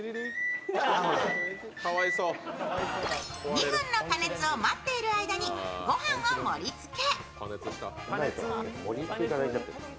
２分の加熱を待っている間にご飯を盛りつけ。